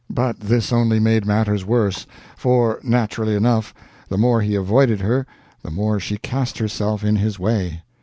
But this only made matters worse, for, naturally enough, the more he avoided her the more she cast herself in his way.